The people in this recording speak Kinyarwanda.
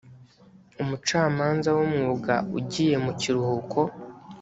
umucamanza w umwuga ugiye mu kiruhuko